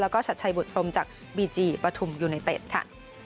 แล้วก็ชัดชัยบุตพรมจากบีจีปฐุมยูไนเต็ดค่ะ